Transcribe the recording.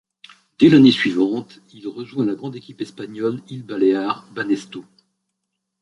Dès l'année suivante, il rejoint la grande équipe espagnole Illes Balears-Banesto.